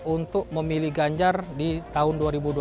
untuk memilih ganjar di tahun dua ribu dua puluh